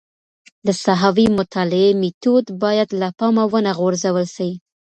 د ساحوي مطالعې میتود باید له پامه ونه غورځول سي.